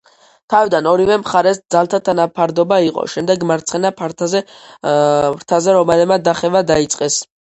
თავიდან ორივე მხარეს ძალთა თანაფარდობა იყო, შემდეგ მარცხენა ფრთაზე რომაელებმა დახევა დაიწყეს.